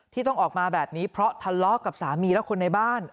ที่ต้องออกมาแบบนี้เพราะทะเลาะกับสามีและคนในบ้าน